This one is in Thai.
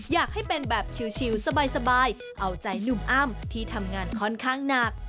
อยากให้เป็นแบบชิลสบายเอาใจหนุ่มอ้ำที่ทำงานค่อนข้างหนัก